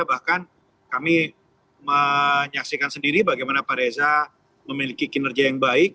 bahkan kami menyaksikan sendiri bagaimana pak reza memiliki kinerja yang baik